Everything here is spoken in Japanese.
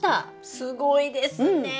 すごいですねえ！